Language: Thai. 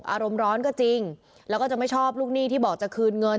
อารมณ์ร้อนก็จริงแล้วก็จะไม่ชอบลูกหนี้ที่บอกจะคืนเงิน